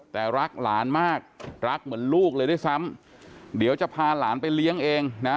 แต่รักหลานมากรักเหมือนลูกเลยด้วยซ้ำเดี๋ยวจะพาหลานไปเลี้ยงเองนะ